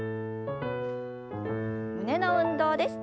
胸の運動です。